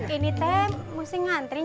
ini teh musik ngantrinya